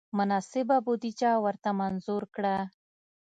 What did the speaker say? مناسبه بودجه ورته منظور کړه.